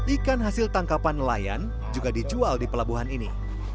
ikan hasil tangkapan nelayan juga dijual di pelabuhan ini